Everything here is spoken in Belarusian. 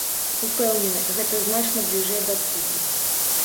Упэўнены, гэта значна бліжэй да цуду.